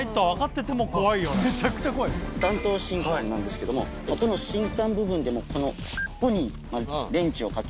弾頭信管なんですけど信管部分でもこのここに。